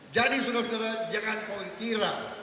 jadi sudah sudah jangan kau kira